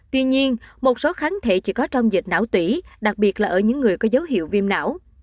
tuy nhiên một số kháng thể chỉ có trong dịch não tủy đặc biệt là ở những người có dấu hiệu viêm não